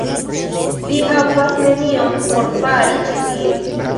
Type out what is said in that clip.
Vi havas nenion por fari ĉi tie.